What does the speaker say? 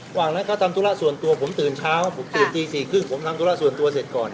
บางนั้นเขาทำธุรกิจส่วนตัว